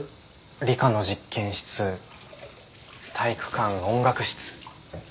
理科の実験室体育館音楽室。